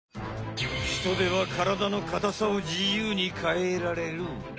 ヒトデはからだのかたさを自由に変えられる。